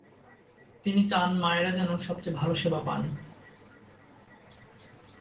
তিনি চান মায়েরা যেন সবচেয়ে ভালো সেবা পান।